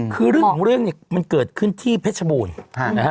คือเรื่องนี่มันเกิดขึ้นที่เพชรบูรณ์